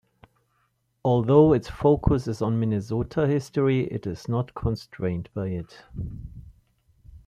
Although its focus is on Minnesota history it is not constrained by it.